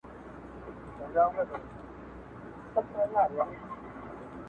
سوله كوم خو زما دوه شرطه به حتمآ منې,